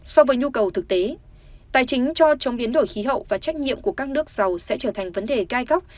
so với nhu cầu thực tế tài chính cho chống biến đổi khí hậu và trách nhiệm của các nước giàu sẽ trở thành vấn đề gai góc